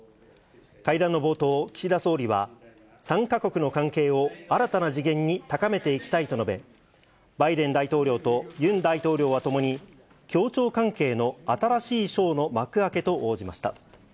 会談の冒頭、岸田総理は、３か国の関係を新たな次元に高めていきたいと述べ、バイデン大統領とユン大統領はともに、協調関係の新しい章の幕開けと応じました。